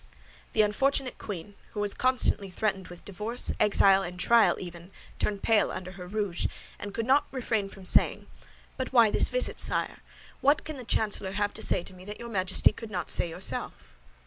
The unfortunate queen, who was constantly threatened with divorce, exile, and trial even, turned pale under her rouge, and could not refrain from saying, "But why this visit, sire? What can the chancellor have to say to me that your Majesty could not say yourself?"